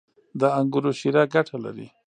• د انګورو شیره ګټه لري.